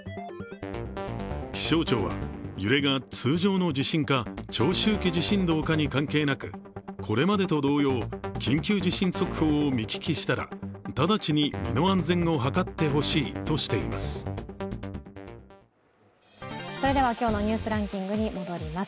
気象庁は、揺れが通常の地震か長周期地震動かに関係なく、これまでと同様、緊急地震速報を見聞きしたら直ちに身の安全を図ってほしいとしています。